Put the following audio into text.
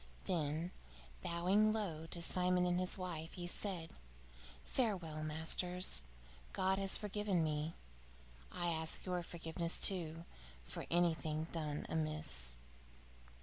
Then, bowing low to Simon and his wife, he said: "Farewell, masters. God has forgiven me. I ask your forgiveness, too, for anything done amiss."